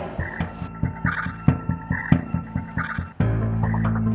ibu kecewa sama kalian